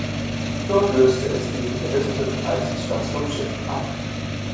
Dort löste es die "Elisabeth" als Stationsschiff ab.